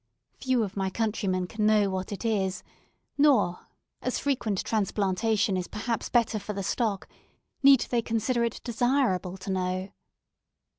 Few of my countrymen can know what it is; nor, as frequent transplantation is perhaps better for the stock, need they consider it desirable to know.